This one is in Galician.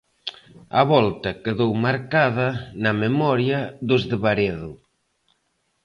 A volta quedou marcada na memoria dos de Baredo.